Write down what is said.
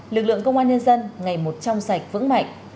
lực lượng công an nhân dân ngày một trong sạch vững mạnh